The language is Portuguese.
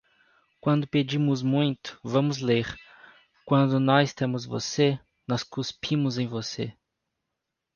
Quando pedimos muito, vamos ler; quando nós temos você, nós cuspimos em você.